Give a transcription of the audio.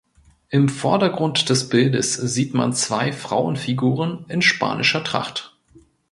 Im Vordergrund des Bildes sieht man zwei Frauenfiguren in spanischer Tracht.